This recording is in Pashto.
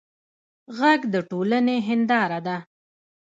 غږ د ټولنې هنداره ده